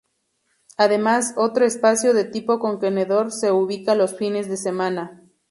Además, otro espacio de tipo contenedor se ubica los fines de semana.